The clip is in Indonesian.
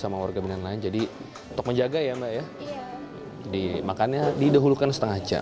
sama warga minyak nang jadi untuk menjaga ya mbak ya jadi makannya didahulukan setengah jam